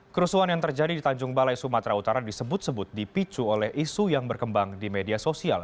kerusuhan yang terjadi di tanjung balai sumatera utara disebut sebut dipicu oleh isu yang berkembang di media sosial